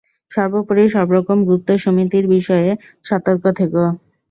সর্বোপরি সব রকম গুপ্ত সমিতির বিষয়ে সতর্ক থেক।